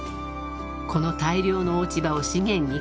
［この大量の落ち葉を資源に変える］